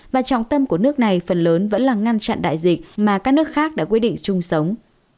và trọng tâm của nước này phần lớn vẫn là ngăn chặn đại dịch mà các nước khác đã quyết định chung sống